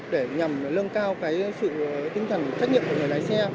để nhằm lương cao cái sự tinh thần trách nhiệm của người lái xe